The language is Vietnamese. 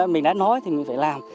mình đã nói thì mình phải làm